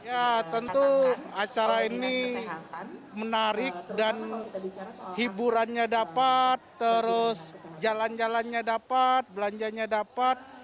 ya tentu acara ini menarik dan hiburannya dapat terus jalan jalannya dapat belanjanya dapat